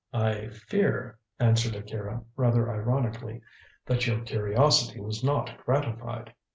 "I fear," answered Akira, rather ironically, "that your curiosity was not gratified.